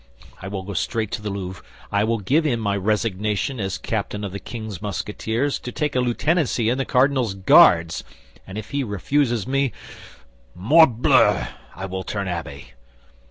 I will go straight to the Louvre; I will give in my resignation as captain of the king's Musketeers to take a lieutenancy in the cardinal's Guards, and if he refuses me, morbleu! I will turn abbé."